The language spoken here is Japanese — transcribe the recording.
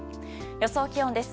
予想気温です。